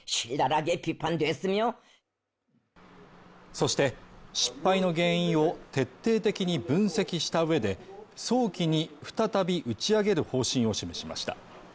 そして、失敗の原因を徹底的に分析した上で、早期に再び打ち上げる方針を示しました。